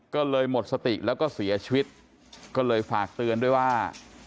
ก็เลยหมดสติแล้วก็เสียชีวิตก็เลยฝากเตือนด้วยว่า